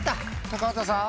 高畑さん